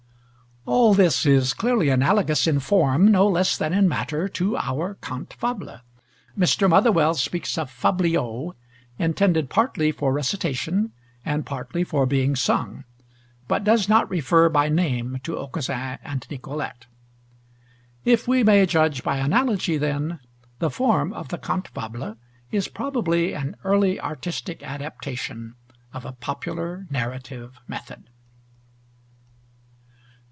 All this is clearly analogous in form no less than in matter to our cante fable. Mr. Motherwell speaks of fabliaux, intended partly for recitation, and partly for being sung; but does not refer by name to Aucassin and Nicolete. If we may judge by analogy, then, the form of the cante fable is probably an early artistic adaptation of a popular narrative method.